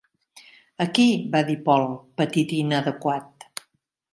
"Aquí", va dir Paul, petit i inadequat.